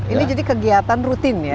ini jadi kegiatan rutin ya